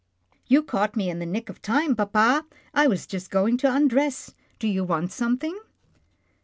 " You caught me in the nick of time, papa, I was just going to undress. Do you want some thing?"